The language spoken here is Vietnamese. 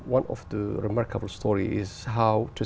một trong những câu chuyện tuyệt vời là